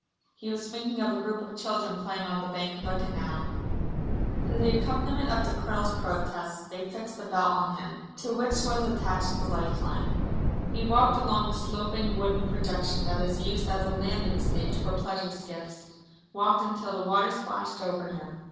He was thinking of a group of children playing on the bank of a canal. To the accompaniment of the Colonel's protests they fixed a belt on him, to which was attached the life line. He walked along the sloping wooden projection that is used as a landing stage for pleasure skiffs, walked until the water splashed over him.